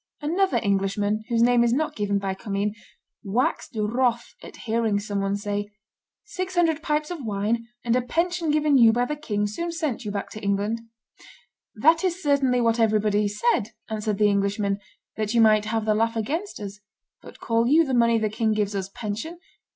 Another Englishman, whose name is not given by Commynes, waxed wroth at hearing some one say, "Six hundred pipes of wine and a pension given you by the king soon sent you back to England." "That is certainly what everybody said," answered the Englishman, "that you might have the laugh against us. But call you the money the king gives us pension?